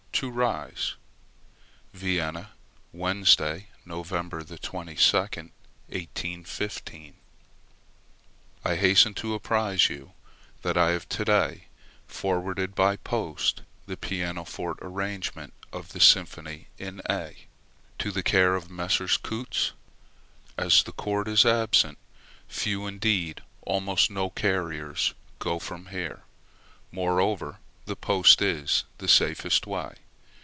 TO RIES. Vienna, Wednesday, Nov. 22, 1815. MY DEAR RIES, I hasten to apprise you that I have to day forwarded by post the pianoforte arrangement of the Symphony in A, to the care of Messrs Coutts. As the Court is absent, few, indeed almost no couriers go from here; moreover, the post is the safest way.